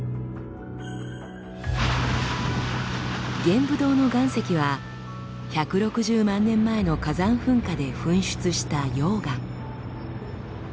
玄武洞の岩石は１６０万年前の火山噴火で噴出した溶岩。